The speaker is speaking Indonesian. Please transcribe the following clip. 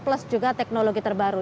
dan juga teknologi terbaru